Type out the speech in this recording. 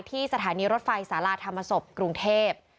สถานีรถไฟสาราธรรมศพกรุงเทพ